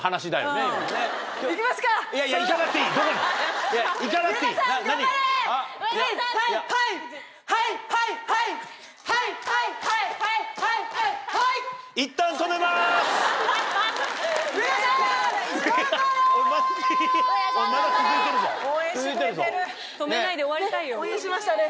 ねっ応援しましたね。